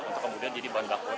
untuk kemudian jadi bahan baku